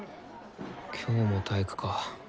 今日も体育かぁ。